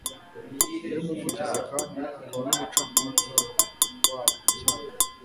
ni we Muvugizi kandi akaba n’Umucamanza wabwo icyarimwe